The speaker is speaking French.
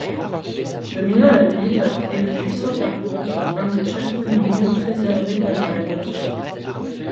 Dominant la ville est le puissant Harburg, un des châteaux les mieux préservés d'Allemagne.